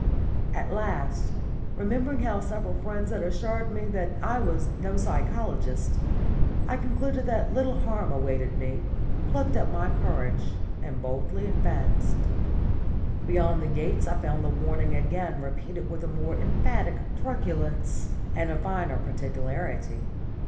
At last, remembering how several friends had assured me that I was "no psychologist," I concluded that little harm awaited me, plucked up my courage, and boldly advanced. Beyond the gates I found the warning again repeated with a more emphatic truculence and a finer particularity.